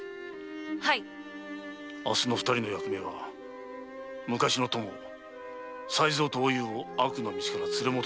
明日の二人の役目は昔の友才蔵とおゆうを悪の道から連れ戻すことだ。